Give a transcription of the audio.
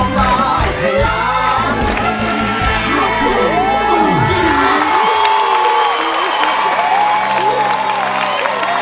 ไปหาเมียไปหาเมีย